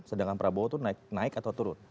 sedangkan prabowo itu naik atau turun